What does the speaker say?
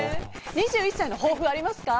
２１歳の豊富ありますか？